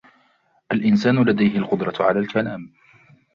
الإنسان لديه القدرة على الكلام.